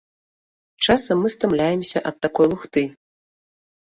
Часам мы стамляемся ад такой лухты!